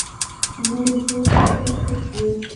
مال یې ښه چت پت دی.